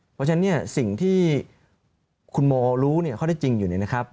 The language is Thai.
เพราะฉะนั้นเนี่ยสิ่งที่คุณโมรู้ข้อได้จริงอยู่เนี่ยนะครับ